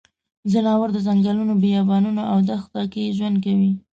ځناور د ځنګلونو، بیابانونو او دښته کې ژوند کوي.